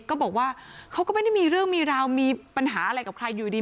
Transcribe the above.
ก็บอกว่าเขาก็ไม่ได้มีเรื่องมีราวมีปัญหาอะไรกับใครอยู่ดี